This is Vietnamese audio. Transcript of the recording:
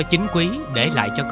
chỉ lặng lẽ